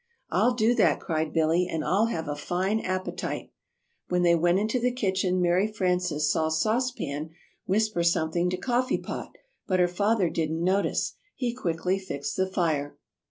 "I'll do that," cried Billy, "and I'll have a fine appetite." When they went into the kitchen Mary Frances saw Sauce Pan whisper something to Coffee Pot, but her father didn't notice. He quickly fixed the fire.